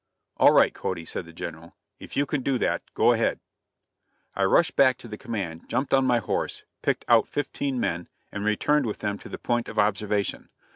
"All right, Cody," said the General, "if you can do that, go ahead." I rushed back to the command, jumped on my horse, picked out fifteen men, and returned with them to the point of observation.